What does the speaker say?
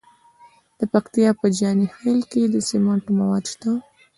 د پکتیا په جاني خیل کې د سمنټو مواد شته.